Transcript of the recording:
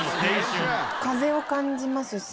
風を感じますし。